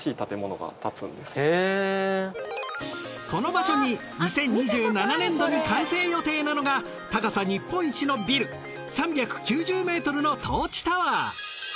この場所に２０２７年度に完成予定なのが高さ日本一のビル３９０ｍのトーチタワー。